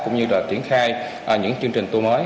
cũng như là triển khai những chương trình tour mới